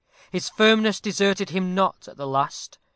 His firmness deserted him not at the last.